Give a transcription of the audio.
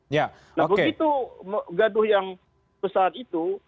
nah begitu gaduh yang besar itu